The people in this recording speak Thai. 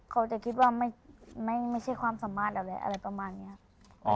เขาจะคิดว่าไม่ใช่ความสามารถอะไรอะไรประมาณนี้ครับ